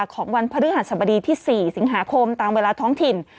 ของวันพฤหัสบดีที่๔สิงหาคมตามเวลาท้องถิ่น